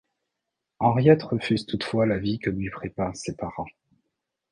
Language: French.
Henriette refuse toutefois la vie que lui préparent ses parents.